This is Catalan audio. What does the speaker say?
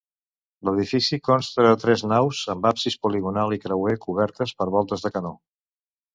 L'edifici consta de tres naus amb absis poligonal i creuer, cobertes per voltes de canó.